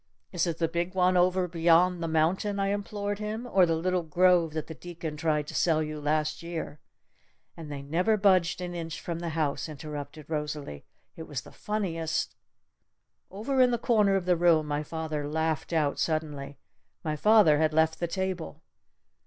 Is it the big one over beyond the mountain?' I implored him. 'Or the little grove that the deacon tried to sell you last year?'" "And they never budged an inch from the house!" interrupted Rosalee. "It was the funniest " Over in the corner of the room my father laughed out suddenly. My father had left the table.